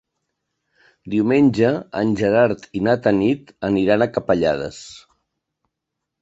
Diumenge en Gerard i na Tanit aniran a Capellades.